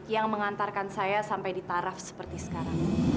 yang mengantarkan saya sampai ditarah seperti sekarang